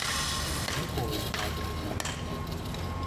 Ніколи їх мати не буде.